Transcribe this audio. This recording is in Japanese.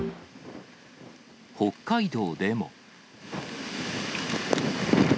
北海道でも。